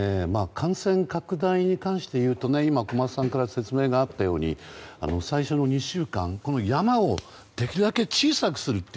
感染拡大に関していうと小松さんから説明があったように最初の２週間この山をできるだけ小さくする。